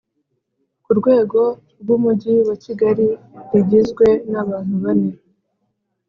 ku rwego rw Umujyi wa Kigali rigizwe n abantu bane